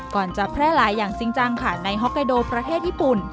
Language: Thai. จะแพร่หลายอย่างจริงจังค่ะในฮอกไกโดประเทศญี่ปุ่น